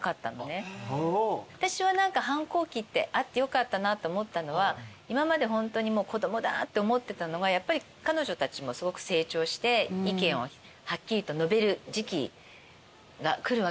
私は反抗期ってあってよかったなと思ったのは今までホントに子供だって思ってたのがやっぱり彼女たちもすごく成長して意見をはっきりと述べる時期が来るわけじゃない。